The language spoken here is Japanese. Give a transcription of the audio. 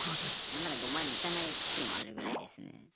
何なら５万にいかない月もあるぐらいですね。